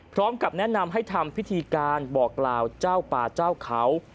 พร้อมกับแนะนำให้ทำพิธีการบอกกล่าวเจ้าป่าเจ้าเขา